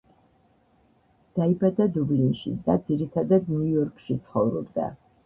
დაიბადა დუბლინში და ძირითადად ნიუ-იორკში ცხოვრობდა.